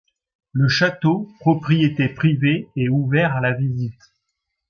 Le château, propriété privée, est ouvert à la visite.